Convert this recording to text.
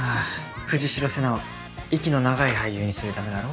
藤代瀬那を息の長い俳優にするためだろ？